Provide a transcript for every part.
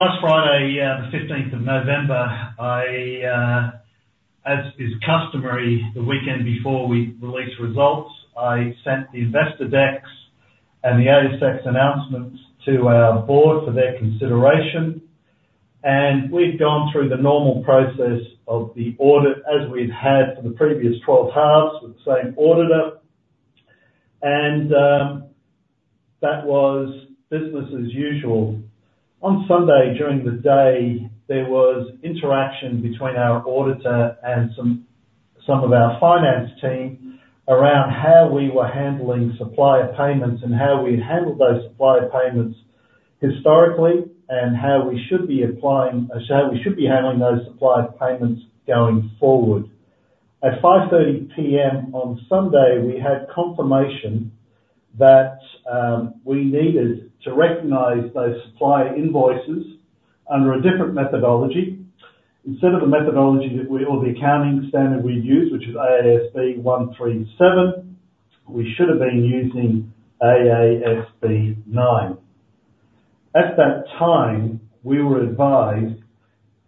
Last Friday, the 15th of November, I, as is customary, the weekend before we release results, I sent the investor decks and the ASX announcements to our board for their consideration. And we had gone through the normal process of the audit as we had for the previous 12 halves with the same auditor. And that was business as usual. On Sunday, during the day, there was interaction between our auditor and some of our finance team around how we were handling supplier payments and how we handled those supplier payments historically and how we should be applying, how we should be handling those supplier payments going forward. At 5:30 P.M. on Sunday, we had confirmation that we needed to recognize those supplier invoices under a different methodology. Instead of the methodology that we, or the accounting standard we had use, which is AASB 137, we should have been using AASB 9. At that time, we were advised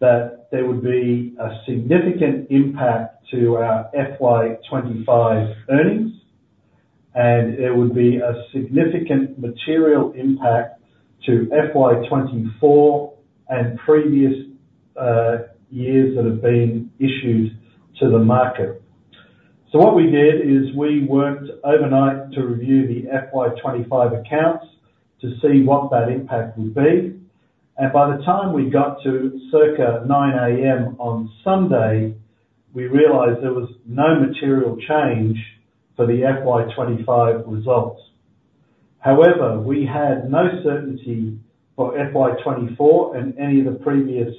that there would be a significant impact to our FY25 earnings, and there would be a significant material impact to FY24 and previous years that have been issued to the market. So what we did is we worked overnight to review the FY25 accounts to see what that impact would be. And by the time we got to circa 9:00 A.M. on Sunday, we realized there was no material change for the FY25 results. However, we had no certainty for FY24 and any of the previous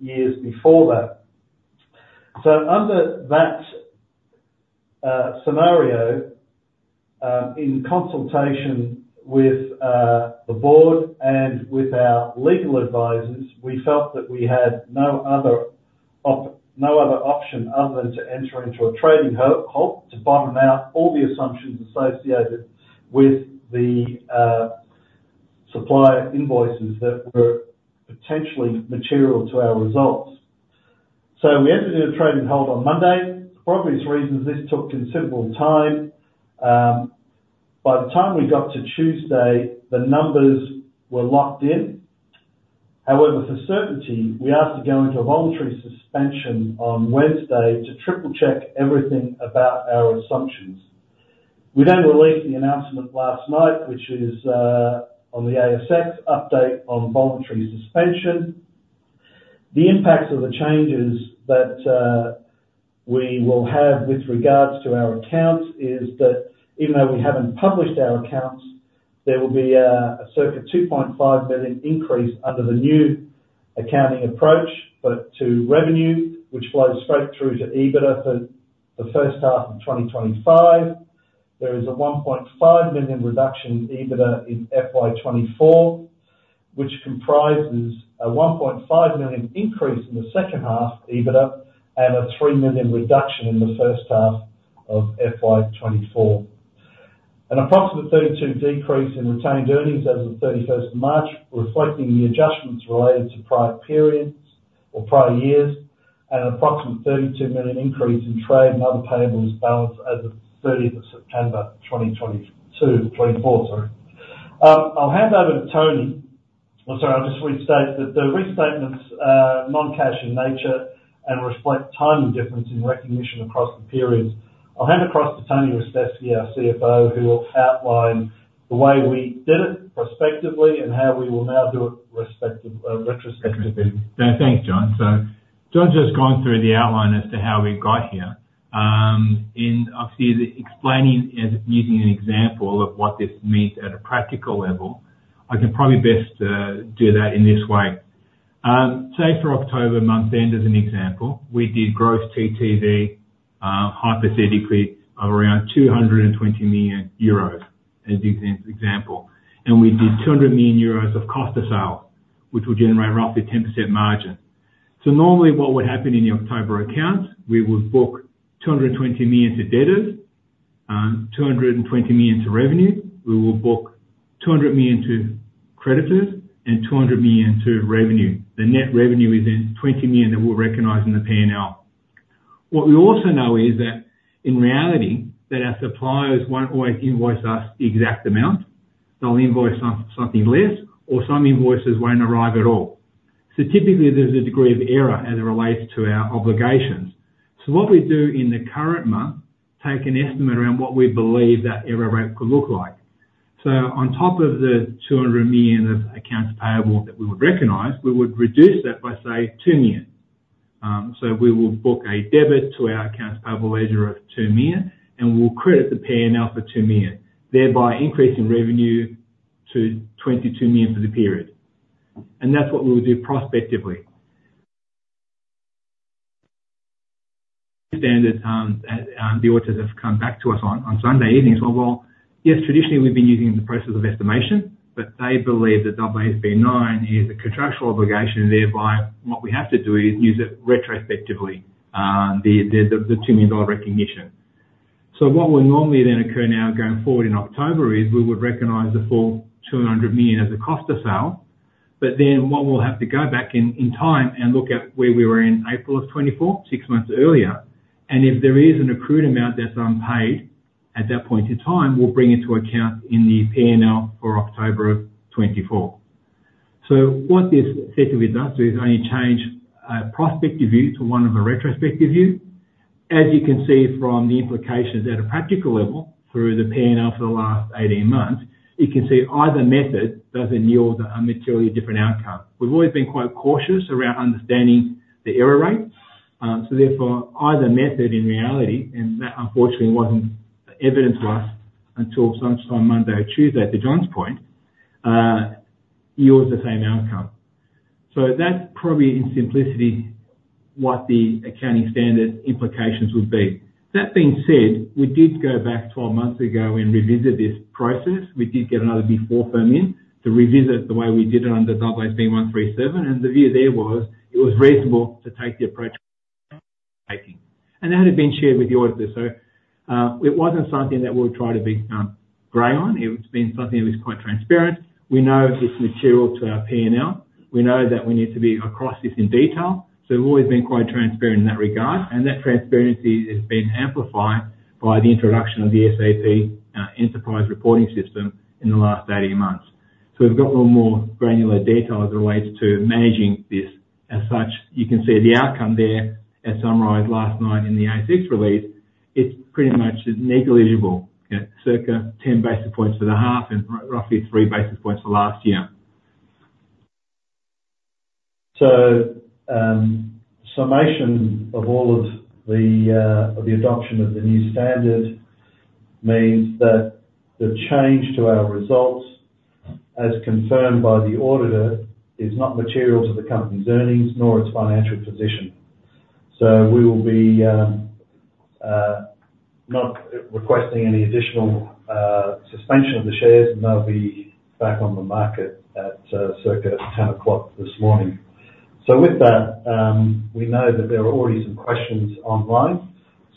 years before that. So under that scenario, in consultation with the board and with our legal advisors, we felt that we had no other option other than to enter into a trading halt to bottom out all the assumptions associated with the supplier invoices that were potentially material to our results. So we entered into the trading halt on Monday. That probably is the reason this took considerable time. By the time we got to Tuesday, the numbers were locked in. However, for certainty, we asked to go into a voluntary suspension on Wednesday to triple-check everything about our assumptions. We then released the announcement last night, which is on the ASX update on voluntary suspension. The impacts of the changes that we will have with regards to our accounts is that even though we haven't published our accounts, there will be a circa 2.5 million increase under the new accounting approach, but to revenue, which flows straight through to EBITDA for the first half of 2025. There is a 1.5 million reduction in EBITDA in FY24, which comprises a 1.5 million increase in the second half EBITDA and a 3 million reduction in the first half of FY24. An approximate 32 million decrease in retained earnings as of 31st of March, reflecting the adjustments related to prior periods or prior years, and an approximate 32 million increase in trade and other payables balance as of 30th of September 2024. I'll hand over to Tony. Sorry, I'll just restate that the restatements are non-cash in nature and reflect tiny difference in recognition across the periods. I'll hand across to Tony Ristevski, our CFO, who will outline the way we did it prospectively and how we will now do it retrospectively. Thanks, John. So John's just gone through the outline as to how we got here. And obviously, explaining and using an example of what this means at a practical level, I can probably best do that in this way. Say for October month end as an example, we did gross TTV hypothetically of around 220 million euros as the example. And we did 200 million euros of cost of sale, which would generate roughly 10% margin. So normally what would happen in the October accounts, we would book 220 million to debtors, 220 million to revenue. We will book 200 million to creditors and 200 million to revenue. The net revenue is then 20 million that we'll recognize in the P&L. What we also know is that in reality, that our suppliers won't always invoice us the exact amount. They'll invoice something less, or some invoices won't arrive at all. Typically, there's a degree of error as it relates to our obligations. What we do in the current month, take an estimate around what we believe that error rate could look like. On top of the 200 million of accounts payable that we would recognize, we would reduce that by, say, 2 million. We will book a debit to our accounts payable ledger of 2 million, and we'll credit the P&L for 2 million, thereby increasing revenue to 22 million for the period. That's what we will do prospectively. The auditors have come back to us on Sunday evening and said, "Well, yes, traditionally we've been using the process of estimation, but they believe that AASB 9 is a contractual obligation, and thereby what we have to do is use it retrospectively, the EUR 2 million recognition." So what will normally then occur now going forward in October is we would recognize the full 200 million as a cost of sale, but then what we'll have to go back in time and look at where we were in April of 2024, 6 months earlier. And if there is an accrued amount that's unpaid at that point in time, we'll bring it to account in the P&L for October of 2024. So what this set of invoices only changed prospective view to one of a retrospective view. As you can see from the implications at a practical level through the P&L for the last 18 months, you can see either method doesn't yield a materially different outcome. We've always been quite cautious around understanding the error rate. So therefore, either method in reality, and that unfortunately wasn't evident to us until sometime Monday or Tuesday, to John's point, yields the same outcome. So that's probably in simplicity what the accounting standard implications would be. That being said, we did go back 12 months ago and revisit this process. We did get another Big 4 firm in to revisit the way we did it under AASB 137. And the view there was it was reasonable to take the approach we're taking. And that had been shared with the auditor. So it wasn't something that we would try to be gray on. It's been something that was quite transparent. We know it's material to our P&L. We know that we need to be across this in detail, so we've always been quite transparent in that regard, and that transparency has been amplified by the introduction of the SAP Enterprise Reporting System in the last 18 months, so we've got a little more granular detail as it relates to managing this. As such, you can see the outcome there, as summarized last night in the ASX release. It's pretty much negligible, circa 10 basis points for the half and roughly 3 basis points for last year. So summation of all of the adoption of the new standard means that the change to our results, as confirmed by the auditor, is not material to the company's earnings nor its financial position. So we will be not requesting any additional suspension of the shares, and they'll be back on the market at circa 10:00 A.M. this morning. So with that, we know that there are already some questions online.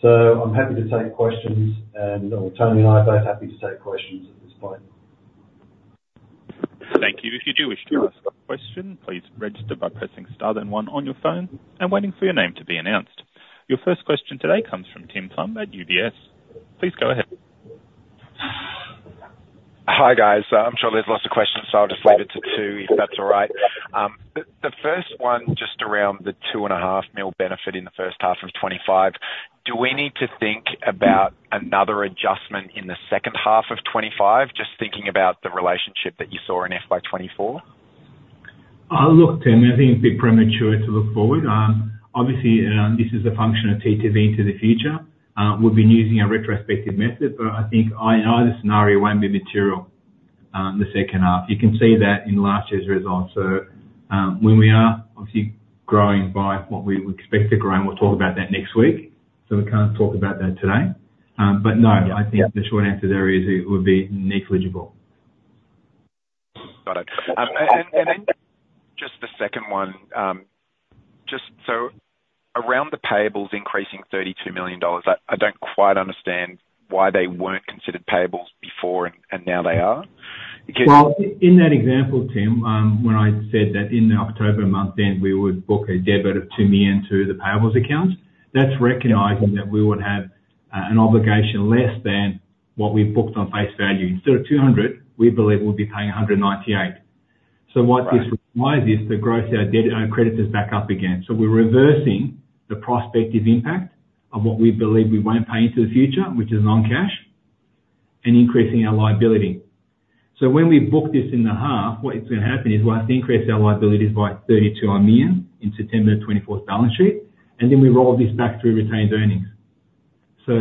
So I'm happy to take questions, and Tony and I are both happy to take questions at this point. Thank you. If you do wish to ask a question, please register by pressing star then one on your phone and waiting for your name to be announced. Your first question today comes from Tim Plumbe at UBS. Please go ahead. Hi guys. I'm sure there's lots of questions, so I'll just leave it to two, if that's all right. The first one just around the 2.5 million benefit in the first half of 2025. Do we need to think about another adjustment in the second half of 2025, just thinking about the relationship that you saw in FY 2024? Look, Tim, I think it'd be premature to look forward. Obviously, this is a function of TTV into the future. We've been using a retrospective method, but I think either scenario won't be material in the second half. You can see that in last year's results. So when we are obviously growing by what we expect to grow, and we'll talk about that next week. So we can't talk about that today. But no, I think the short answer there is it would be negligible. Got it. And then just the second one, just so around the payables increasing AUD 32 million, I don't quite understand why they weren't considered payables before and now they are. In that example, Tim, when I said that in the October month-end, we would book a debit of 2 million to the payables account, that's recognizing that we would have an obligation less than what we've booked on face value. Instead of 200 million, we believe we'll be paying 198 million. So what this requires is to gross our creditors back up again. So we're reversing the prospective impact of what we believe we won't pay into the future, which is non-cash, and increasing our liability. So when we book this in the half, what's going to happen is we'll have to increase our liabilities by 32 million in September 2024 balance sheet, and then we roll this back through retained earnings. So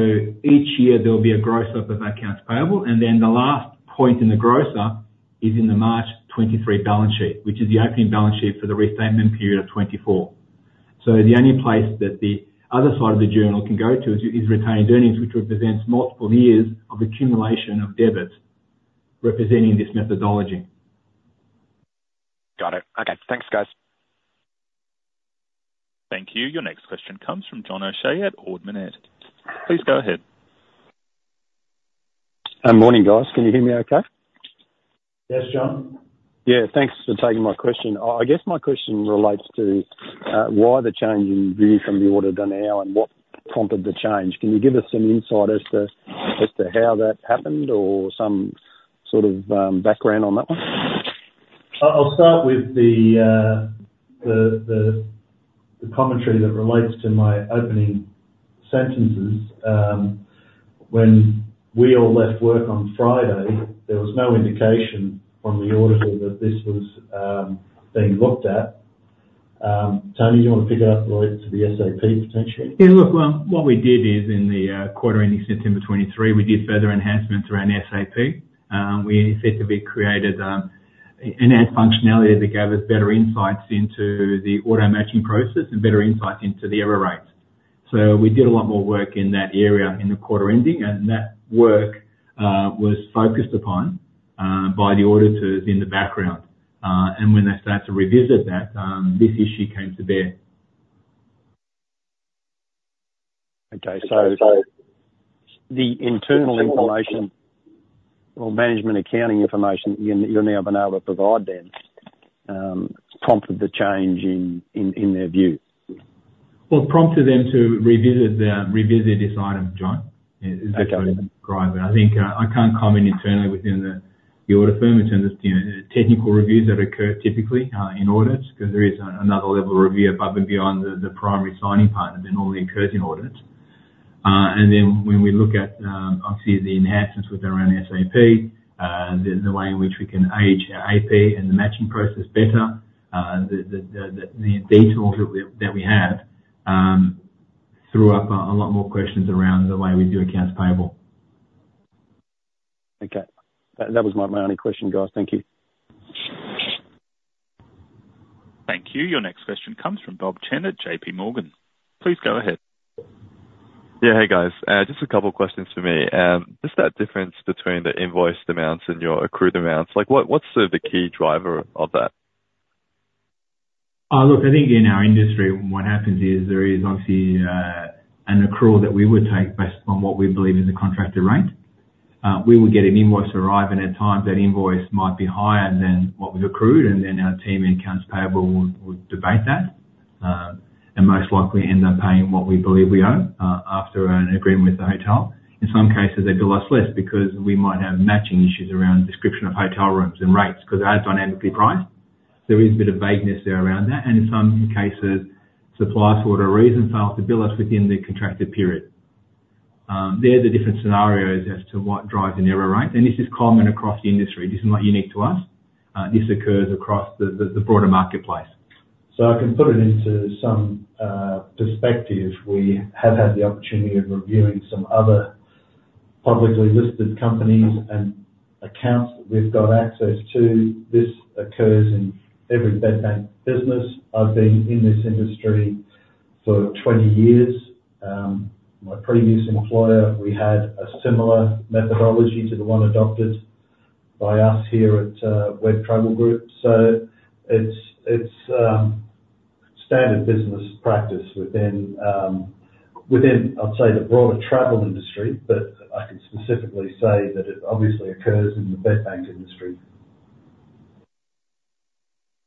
each year there'll be a gross up of accounts payable, and then the last point in the gross up is in the March 2023 balance sheet, which is the opening balance sheet for the restatement period of 2024. So the only place that the other side of the journal can go to is retained earnings, which represents multiple years of accumulation of debits representing this methodology. Got it. Okay. Thanks, guys. Thank you. Your next question comes from John O'Shea at Ord Minnett. Please go ahead. Morning, guys. Can you hear me okay? Yes, John. Yeah. Thanks for taking my question. I guess my question relates to why the change in view from the auditor now and what prompted the change. Can you give us some insight as to how that happened or some sort of background on that one? I'll start with the commentary that relates to my opening sentences. When we all left work on Friday, there was no indication from the auditor that this was being looked at. Tony, do you want to pick it up related to the SAP potentially? Yeah. Look, well, what we did is in the quarter ending September 2023, we did further enhancements around SAP. We effectively created enhanced functionality that gave us better insights into the auto matching process and better insights into the error rates. So we did a lot more work in that area in the quarter ending, and that work was focused upon by the auditors in the background, and when they started to revisit that, this issue came to bear. Okay, so the internal information or management accounting information you'll now be able to provide then prompted the change in their view? It prompted them to revisit this item, John, as they described it. I think I can't comment internally within the audit firm in terms of technical reviews that occur typically in audits because there is another level of review above and beyond the primary signing part that normally occurs in audits, and then when we look at obviously the enhancements with around SAP, the way in which we can age our AP and the matching process better, the details that we have threw up a lot more questions around the way we do accounts payable. Okay. That was my only question, guys. Thank you. Thank you. Your next question comes from Bob Chen at JPMorgan. Please go ahead. Yeah. Hey, guys. Just a couple of questions for me. Just that difference between the invoiced amounts and your accrued amounts, what's the key driver of that? Look, I think in our industry, what happens is there is obviously an accrual that we would take based upon what we believe is the contracted rate We would get an invoice arrive, and at times that invoice might be higher than what we've accrued, and then our team in accounts payable would debate that and most likely end up paying what we believe we owe after an agreement with the hotel. In some cases, they bill us less because we might have matching issues around description of hotel rooms and rates because they are dynamically priced. There is a bit of vagueness there around that, and in some cases, suppliers for whatever reason fail to bill us within the contracted period. There are the different scenarios as to what drives an error rate, and this is common across the industry. This is not unique to us. This occurs across the broader marketplace. So I can put it into some perspective. We have had the opportunity of reviewing some other publicly listed companies and accounts that we've got access to. This occurs in every bedbank business. I've been in this industry for 20 years. My previous employer, we had a similar methodology to the one adopted by us here at Web Travel Group. So it's standard business practice within, I'd say, the broader travel industry, but I can specifically say that it obviously occurs in the bedbank industry.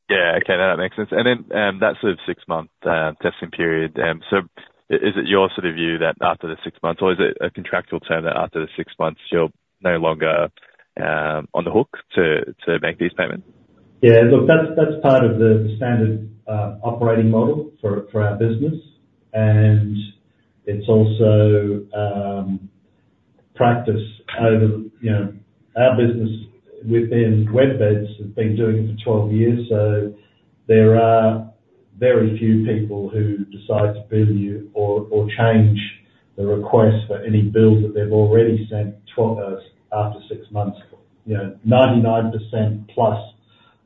Yeah. Okay. That makes sense. And then that sort of six-month testing period, so is it your sort of view that after the six months, or is it a contractual term that after the six months, you're no longer on the hook to make these payments? Yeah. Look, that's part of the standard operating model for our business, and it's also practice. Our business within WebBeds has been doing it for 12 years, so there are very few people who decide to bill you or change the request for any bills that they've already sent after six months. 99% plus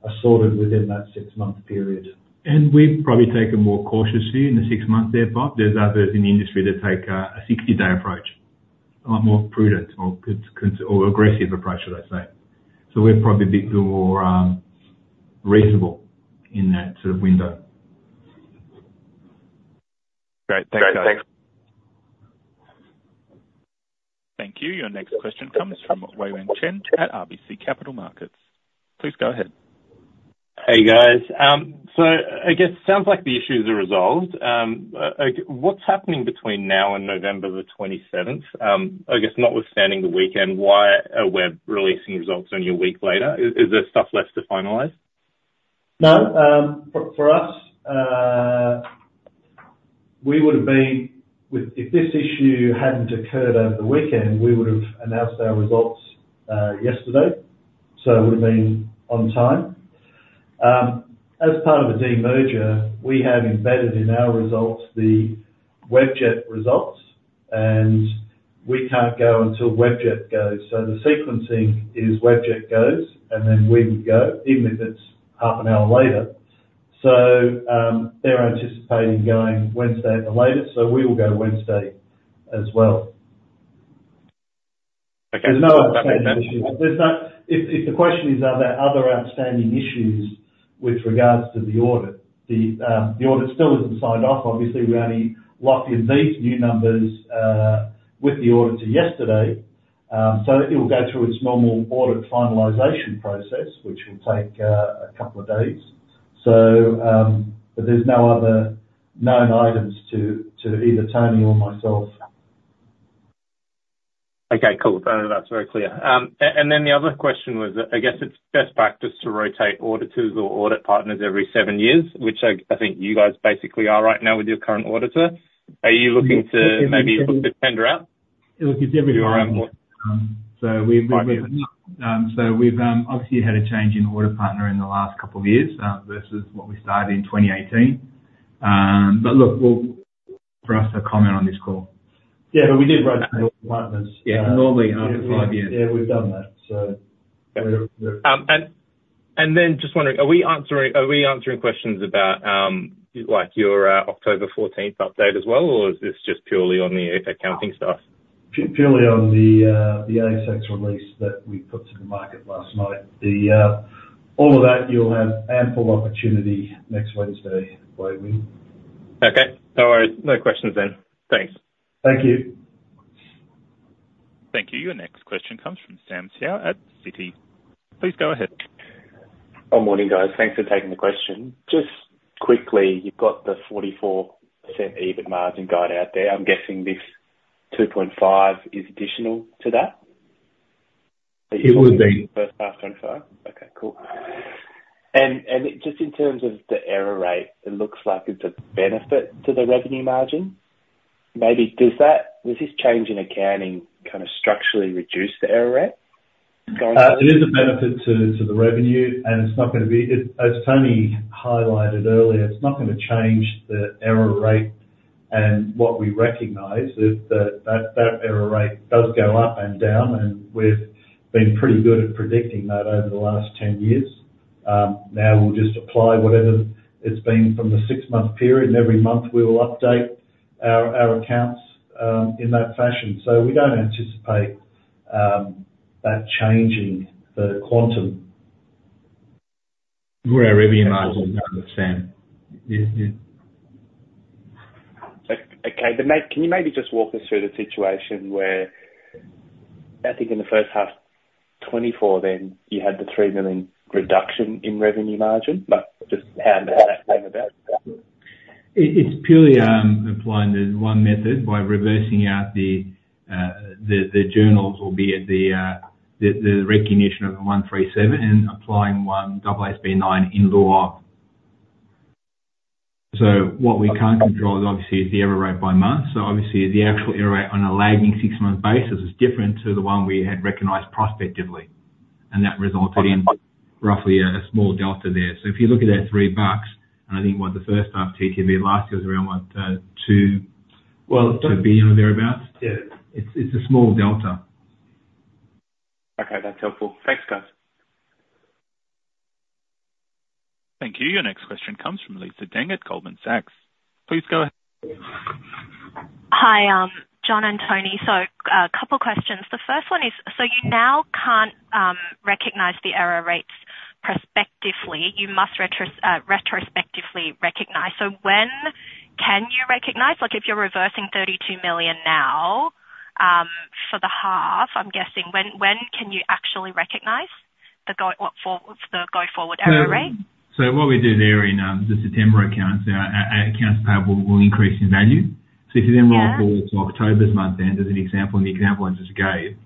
are sorted within that six-month period. And we've probably taken more cautiously in the six-month therefore. There's others in the industry that take a 60-day approach, a lot more prudent or aggressive approach, should I say, so we're probably a bit more reasonable in that sort of window. Great. Thanks, guys. Thank you. Your next question comes from Wei-Weng Chen at RBC Capital Markets. Please go ahead. Hey, guys, so I guess it sounds like the issues are resolved. What's happening between now and November the 27th? I guess notwithstanding the weekend, why are we releasing results only a week later? Is there stuff left to finalize? No. For us, we would have been if this issue hadn't occurred over the weekend, we would have announced our results yesterday. So it would have been on time. As part of the de-merger, we have embedded in our results the Webjet results, and we can't go until Webjet goes. So the sequencing is Webjet goes, and then we would go, even if it's half an hour later. So they're anticipating going Wednesday at the latest, so we will go Wednesday as well. There's no outstanding issues. If the question is, are there other outstanding issues with regards to the audit, the audit still isn't signed off. Obviously, we only locked in these new numbers with the auditor yesterday. So it will go through its normal audit finalization process, which will take a couple of days. But there's no other known items to either Tony or myself. Okay. Cool. That's very clear, and then the other question was, I guess it's best practice to rotate auditors or audit partners every seven years, which I think you guys basically are right now with your current auditor. Are you looking to maybe look to tender out? Look, it's everything around audits. So we've obviously had a change in audit partner in the last couple of years versus what we started in 2018. But look, for us to comment on this call. Yeah. But we did rotate audit partners normally after five years. Yeah. We've done that. So. Just wondering, are we answering questions about your October 14th update as well, or is this just purely on the accounting stuff? Purely on the ASX release that we put to the market last night. All of that, you'll have ample opportunity next Wednesday, Wei-Weng. Okay. No worries. No questions then. Thanks. Thank you. Thank you. Your next question comes from Sam Seow at Citi. Please go ahead. Oh, morning, guys. Thanks for taking the question. Just quickly, you've got the 44% EBIT margin guide out there. I'm guessing this 2.5 is additional to that? It would be. First half 2025? Okay. Cool. And just in terms of the error rate, it looks like it's a benefit to the revenue margin. Maybe does this change in accounting kind of structurally reduce the error rate? It is a benefit to the revenue, and it's not going to be, as Tony highlighted earlier, it's not going to change the error rate. And what we recognize is that that error rate does go up and down, and we've been pretty good at predicting that over the last 10 years. Now we'll just apply whatever it's been from the six-month period, and every month we will update our accounts in that fashion. So we don't anticipate that changing the quantum. We're a revenue margin down the same. Okay. Can you maybe just walk us through the situation where I think in the first half 2024, then you had the 3 million reduction in revenue margin? Just how did that come about? It's purely applying the one method by reversing out the journals, albeit the recognition of the AASB 137 and applying one AASB 9 in law. What we can't control obviously is the error rate by month. Obviously, the actual error rate on a lagging six-month basis is different to the one we had recognized prospectively. That resulted in roughly a small delta there. If you look at that 3 million bucks, I think what the first half TTV last year was around what, 2 billion or thereabouts. It's a small delta. Okay. That's helpful. Thanks, guys. Thank you. Your next question comes from Lisa Deng at Goldman Sachs. Please go ahead. Hi, John and Tony. So a couple of questions. The first one is, so you now can't recognize the error rates prospectively. You must retrospectively recognize. So when can you recognize? If you're reversing 32 million now for the half, I'm guessing, when can you actually recognize the go forward error rate? What we do there in the September accounts, our accounts payable will increase in value. If you then roll forward to October's month end as an example, and the example I just gave,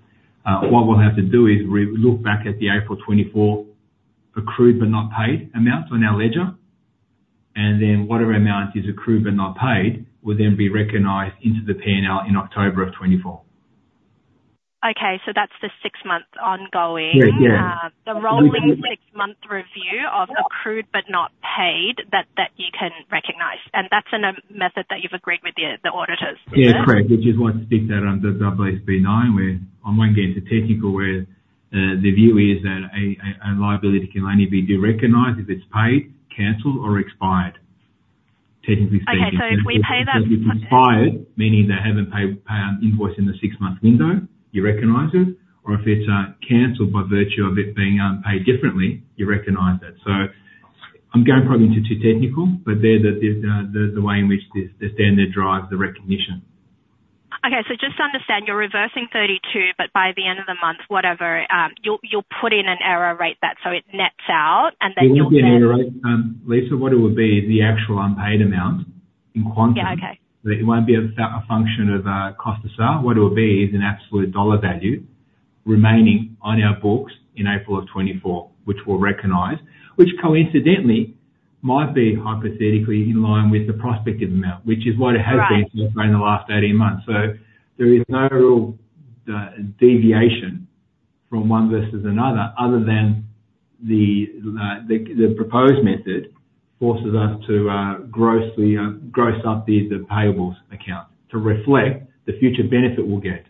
what we'll have to do is look back at the April 2024 accrued but not paid amounts on our ledger. Whatever amount is accrued but not paid will then be recognized into the P&L in October of 2024. Okay. So that's the six-month ongoing. Yeah. The rolling six-month review of accrued but not paid that you can recognize. And that's a method that you've agreed with the auditors, isn't it? Yeah. Correct. Which is why it's stuck that under AASB 9, where I'm going to get into technical, where the view is that a liability can only be recognized if it's paid, canceled, or expired. Technically speaking, it's expired, meaning they haven't paid invoice in the six-month window, you recognize it. Or if it's canceled by virtue of it being paid differently, you recognize it. So I'm going probably into too technical, but there's the way in which the standard drives the recognition. Okay. So just to understand, you're reversing 32, but by the end of the month, whatever, you'll put in an error rate that so it nets out, and then you'll get. You put in an error rate. Lisa, what it would be is the actual unpaid amount in quantum. Yeah. Okay. It won't be a function of cost to sell. What it would be is an absolute dollar value remaining on our books in April of 2024, which we'll recognize, which coincidentally might be hypothetically in line with the prospective amount, which is what it has been since around the last 18 months. So there is no real deviation from one versus another other than the proposed method forces us to gross up the payables account to reflect the future benefit we'll get.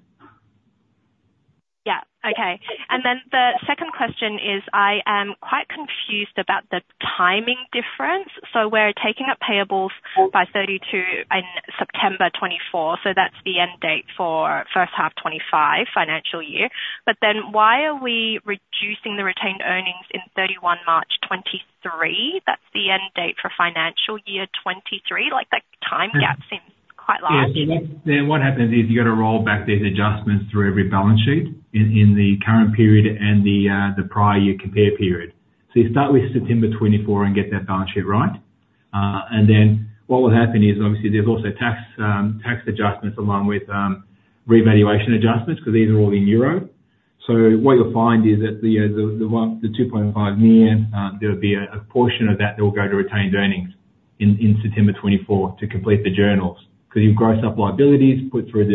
Yeah. Okay, and then the second question is, I am quite confused about the timing difference. So we're taking up payables by 32 in September 2024. So that's the end date for first half 2025 financial year. But then why are we reducing the retained earnings in 31 March 2023? That's the end date for financial year 2023. That time gap seems quite large. What happens is you've got to roll back these adjustments through every balance sheet in the current period and the prior year compare period. So you start with September 2024 and get that balance sheet right. And then what will happen is, obviously, there's also tax adjustments along with revaluation adjustments because these are all in euro. So what you'll find is that the 2.5 million, there'll be a portion of that that will go to retained earnings in September 2024 to complete the journals. Because you've grossed up liabilities, put through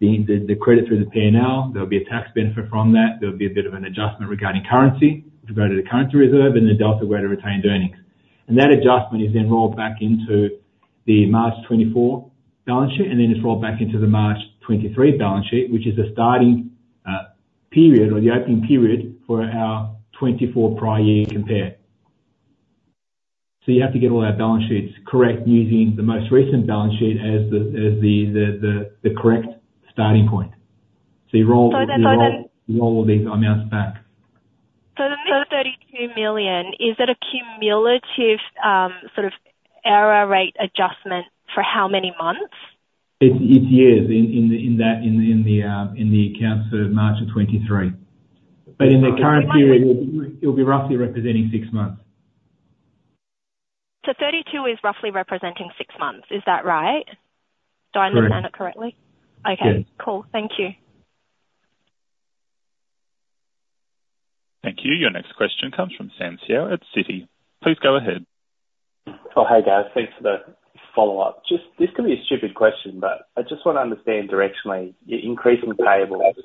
the credit through the P&L, there'll be a tax benefit from that. There'll be a bit of an adjustment regarding currency to go to the currency reserve, and then the delta go to retained earnings. That adjustment is then rolled back into the March 2024 balance sheet, and then it's rolled back into the March 2023 balance sheet, which is the starting period or the opening period for our 2024 prior year compare. So you have to get all our balance sheets correct using the most recent balance sheet as the correct starting point. So you roll all these amounts back. The 32 million, is it a cumulative sort of error rate adjustment for how many months? It's years in the accounts for March of 2023, but in the current period, it'll be roughly representing six months. So 32 is roughly representing six months. Is that right? Do I understand it correctly? Yes. Okay. Cool. Thank you. Thank you. Your next question comes from Sam Seow at Citi. Please go ahead. Oh, hey, guys. Thanks for the follow-up. This could be a stupid question, but I just want to understand directionally. You're increasing payables,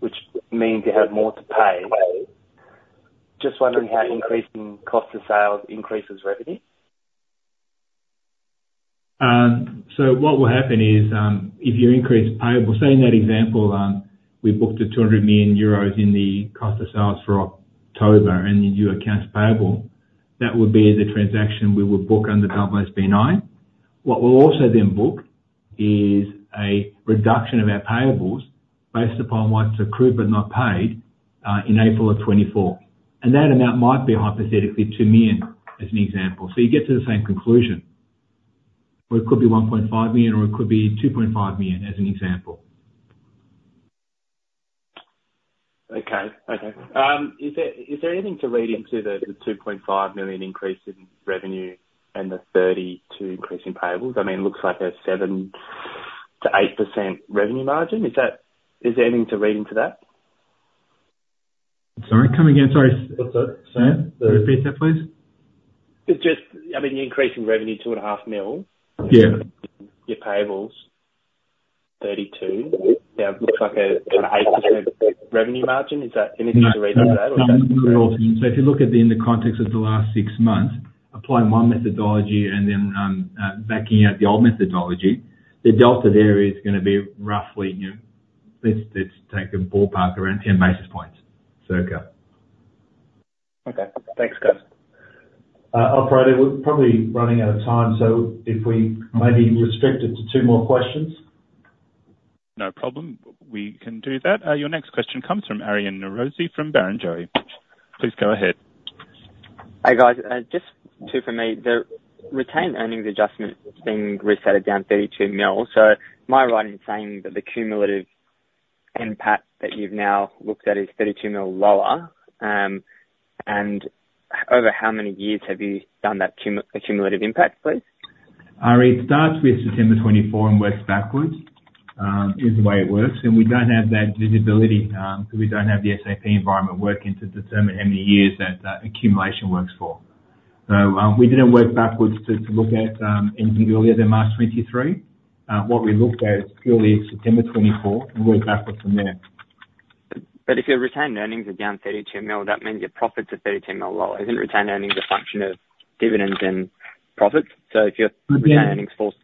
which means you have more to pay. Just wondering how increasing cost to sales increases revenue? What will happen is if you increase payables, say in that example, we booked 200 million euros in the cost of sales for October and the new accounts payable, that would be the transaction we would book under AASB 9. What we'll also then book is a reduction of our payables based upon what's accrued but not paid in April of 2024. And that amount might be hypothetically 2 million as an example. You get to the same conclusion. It could be 1.5 million or it could be 2.5 million as an example. Is there anything to read into the $2.5 million increase in revenue and the $32 million increase in payables? I mean, it looks like a 7%-8% revenue margin. Is there anything to read into that? Sorry. Come again. Sorry. What's that, Sam? Repeat that, please. I mean, you're increasing revenue 2.5 million. Yeah. Your payables, 32. That looks like an 8% revenue margin. Is there anything to read into that or is that increasing? If you look at it in the context of the last six months, applying one methodology and then backing out the old methodology, the delta there is going to be roughly, let's take a ballpark, around 10 basis points circa. Okay. Thanks, guys. We're probably running out of time. So if we maybe restrict it to two more questions. No problem. We can do that. Your next question comes from Aryan Norozi from Barrenjoey. Please go ahead. Hi, guys. Just two from me. The retained earnings adjustment has been restated down 32 million. So my model is saying that the cumulative impact that you've now looked at is 32 million lower and over how many years have you done that cumulative impact, please? Ari, it starts with September 2024 and works backwards, is the way it works. And we don't have that visibility because we don't have the SAP environment working to determine how many years that accumulation works for. So we didn't work backwards to look at anything earlier than March 2023. What we looked at is purely September 2024 and worked backwards from there. But if your retained earnings are down 32 million, that means your profits are 32 million dollars lower. Isn't retained earnings a function of dividends and profits? So if your retained earnings falls.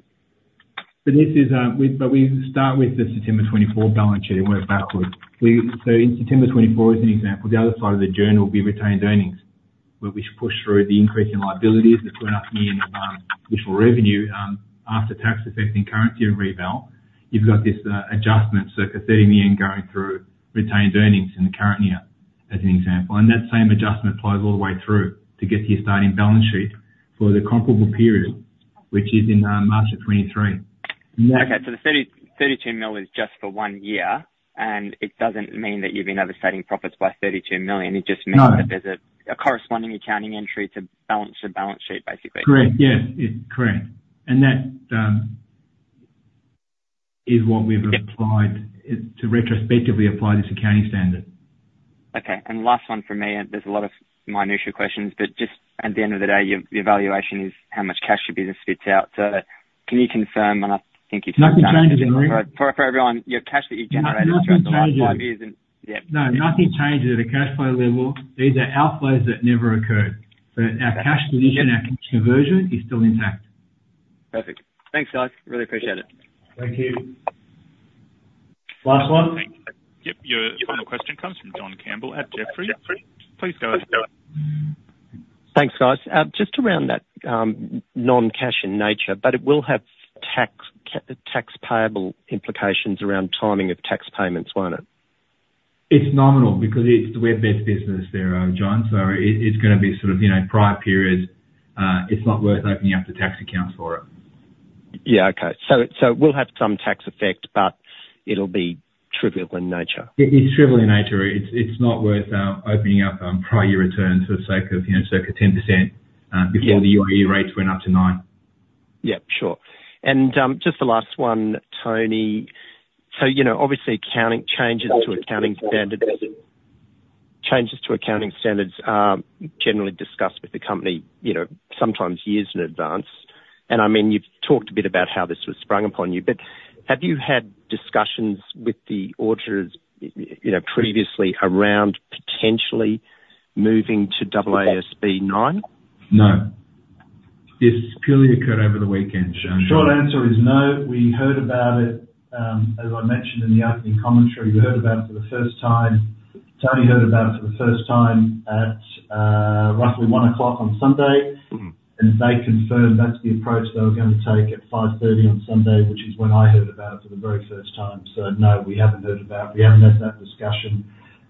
But we start with the September 2024 balance sheet and work backwards. So in September 2024, as an example, the other side of the journal will be retained earnings, where we push through the increase in liabilities, the AUD 2.5 million of additional revenue after tax-affecting currency and rebalance. You've got this adjustment, circa 30 million, going through retained earnings in the current year, as an example. And that same adjustment flows all the way through to get to your starting balance sheet for the comparable period, which is in March 2023. Okay. So the 32 million is just for one year, and it doesn't mean that you've been oversetting profits by 32 million. It just means that there's a corresponding accounting entry to balance the balance sheet, basically. Correct. Yes. Correct. And that is what we've applied to retrospectively apply this accounting standard. Okay. And last one for me, and there's a lot of minutiae questions, but just at the end of the day, your valuation is how much cash your business spits out. So can you confirm, and I think you've said something? Nothing changes in revenue. For everyone, your cash that you generated throughout the last five years and yeah. No, nothing changes at a cash flow level. These are outflows that never occurred. But our cash condition, our cash conversion, is still intact. Perfect. Thanks, guys. Really appreciate it. Thank you. Last one. Yep. Your final question comes from John Campbell at Jefferies. Please go ahead. Thanks, guys. Just around that non-cash in nature, but it will have tax payable implications around timing of tax payments, won't it? It's nominal because it's the web-based business there, John. So it's going to be sort of prior periods. It's not worth opening up the tax accounts for it. Yeah. Okay, so it will have some tax effect, but it'll be trivial in nature. It's trivial in nature. It's not worth opening up prior year returns for the sake of circa 10% before the UAE rates went up to 9%. Yep. Sure. And just the last one, Tony. So obviously, accounting changes to accounting standards are generally discussed with the company sometimes years in advance. And I mean, you've talked a bit about how this was sprung upon you, but have you had discussions with the auditors previously around potentially moving to AASB 9? No. This purely occurred over the weekend, John. Short answer is no. We heard about it, as I mentioned in the opening commentary. We heard about it for the first time. Tony heard about it for the first time at roughly 1:00 P.M. on Sunday. And they confirmed that's the approach they were going to take at 5:30 P.M. on Sunday, which is when I heard about it for the very first time. So no, we haven't heard about it. We haven't had that discussion.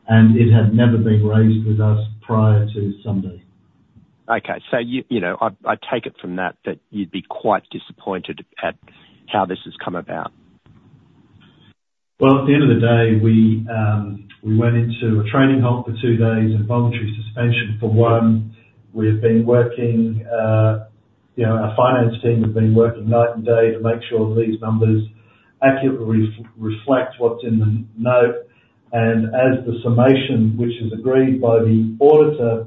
And it had never been raised with us prior to Sunday. Okay. So I take it from that that you'd be quite disappointed at how this has come about. At the end of the day, we went into a trading halt for two days and voluntary suspension for one. Our finance team has been working night and day to make sure that these numbers accurately reflect what's in the note, and as the summation, which is agreed by the auditor,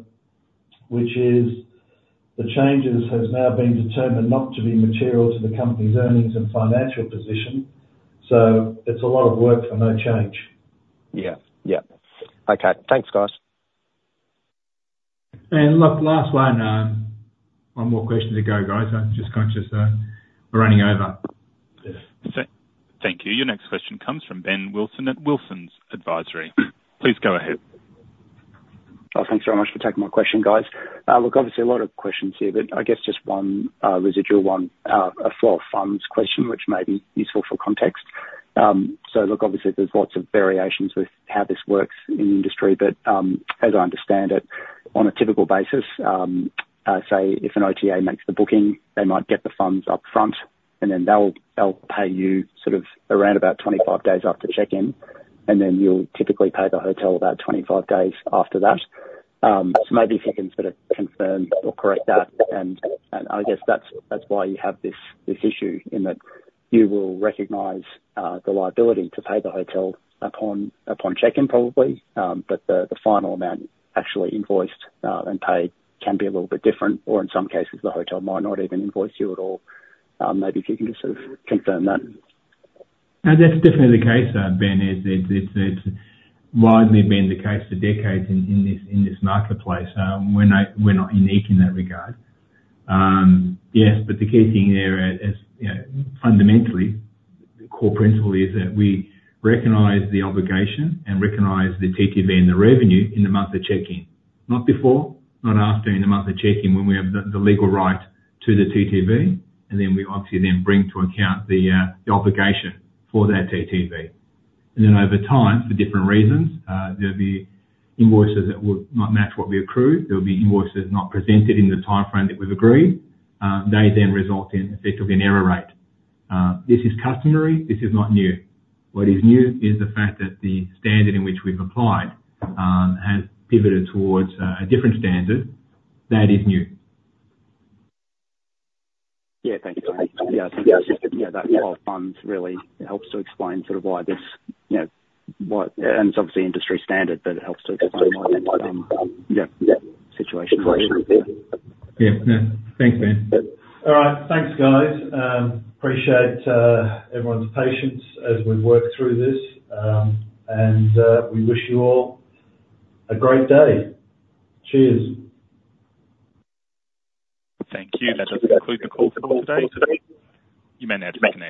which is the changes has now been determined not to be material to the company's earnings and financial position, so it's a lot of work for no change. Yeah. Yep. Okay. Thanks, guys. Look, last one. One more question to go, guys. I'm just conscious we're running over. Thank you. Your next question comes from Ben Wilson at Wilsons Advisory. Please go ahead. Oh, thanks very much for taking my question, guys. Look, obviously, a lot of questions here, but I guess just one residual one, a flow of funds question, which may be useful for context. So look, obviously, there's lots of variations with how this works in the industry, but as I understand it, on a typical basis, say if an OTA makes the booking, they might get the funds upfront, and then they'll pay you sort of around about 25 days after check-in, and then you'll typically pay the hotel about 25 days after that. So maybe if you can sort of confirm or correct that, and I guess that's why you have this issue in that you will recognize the liability to pay the hotel upon check-in, probably. But the final amount actually invoiced and paid can be a little bit different, or in some cases, the hotel might not even invoice you at all. Maybe if you can just sort of confirm that. That's definitely the case, Ben. It's widely been the case for decades in this marketplace. We're not unique in that regard. Yes, but the key thing there is fundamentally, the core principle is that we recognize the obligation and recognize the TTV and the revenue in the month of check-in. Not before, not after. In the month of check-in when we have the legal right to the TTV, and then we obviously then bring to account the obligation for that TTV, and then over time, for different reasons, there'll be invoices that will not match what we accrued. There'll be invoices not presented in the timeframe that we've agreed. They then result in effectively an error rate. This is customary. This is not new. What is new is the fact that the standard in which we've applied has pivoted towards a different standard. That is new. Yeah. Thank you, guys. That flow of funds really helps to explain sort of why this is, and it's obviously industry standard, but it helps to explain why that situation is. Appreciate it. Yeah. Yeah. Thanks, Ben. All right. Thanks, guys. Appreciate everyone's patience as we work through this, and we wish you all a great day. Cheers. Thank you. That does conclude the call for today. You may now disconnect.